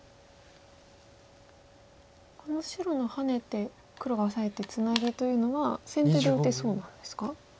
この白のハネて黒がオサえてツナギというのは先手で打てそうなんですか？